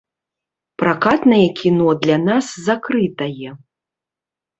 Пракатнае кіно для нас закрытае.